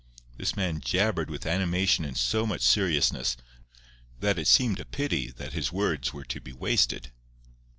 This man jabbered with animation and so much seriousness that it seemed a pity that his words were to be wasted.